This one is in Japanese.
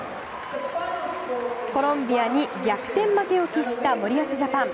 コロンビアに逆転負けを喫した森保ジャパン。